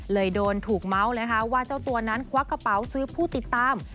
โดนถูกเมาส์นะคะว่าเจ้าตัวนั้นควักกระเป๋าซื้อผู้ติดตาม